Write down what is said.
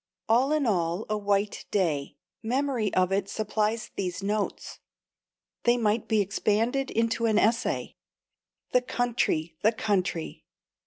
All in all, a white day. Memory of it supplies these notes. They might be expanded into an essay. The country, the country!